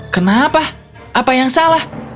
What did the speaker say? kenapa apa yang salah